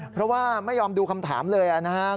เพราะว่าไม่ยอมดูคำถามเลยนะครับ